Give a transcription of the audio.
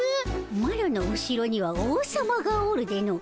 マロの後ろには王様がおるでの。